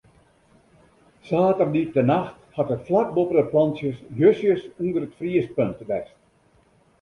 Saterdeitenacht hat it flak boppe de planten justjes ûnder it friespunt west.